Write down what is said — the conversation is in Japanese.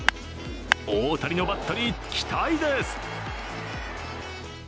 大谷のバットに期待です。